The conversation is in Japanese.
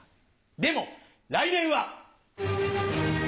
でも来年は。